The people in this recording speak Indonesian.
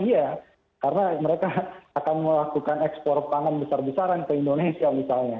iya karena mereka akan melakukan ekspor pangan besar besaran ke indonesia misalnya